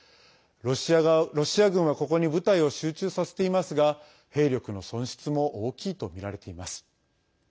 ロシア軍はここに部隊を集中させていますが兵力の損失も大きいとみられています。